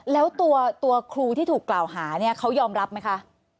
แล้วตัวครูที่ถูกกล่าวหาเนี่ยเขายอมรับไหมคะ